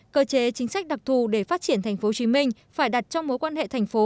cơ chế chính sách đặc thù để phát triển thành phố hồ chí minh phải đặt trong mối quan hệ thành phố